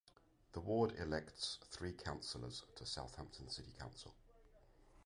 The ward elects three councillors to Southampton City Council.